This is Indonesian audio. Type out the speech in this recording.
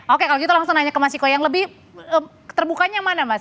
oke kalau gitu langsung nanya ke mas ciko yang lebih terbukanya yang mana mas